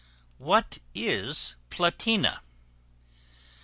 What is Platina?